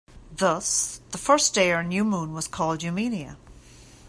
Thus, the first day or new moon was called "Noumenia".